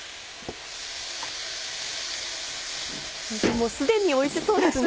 もうすでにおいしそうですね。